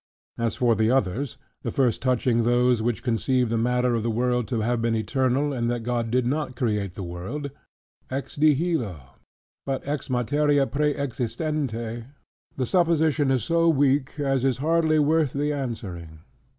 As for the others; the first touching those which conceive the matter of the world to have been eternal, and that God did not create the world "Exnihilo," but "ex materia praeexistente": the supposition is so weak, as is hardly worth the answering.